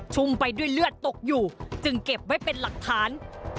ุ่มไปด้วยเลือดตกอยู่จึงเก็บไว้เป็นหลักฐาน